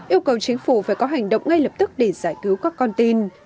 yêu cầu chính phủ phải có hành động ngay lập tức để giải cứu các con tin